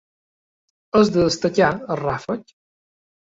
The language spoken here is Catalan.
És de destacar el ràfec.